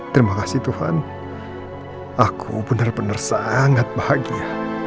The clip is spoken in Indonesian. terima kasih tuhan aku benar benar sangat bahagia